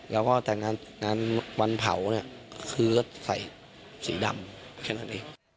แล้วก็แต่งงานวันเผาเนี่ยคือรถใส่สีดำแค่นั้นเอง